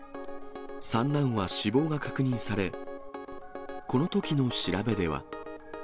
三男は死亡が確認され、このときの調べでは。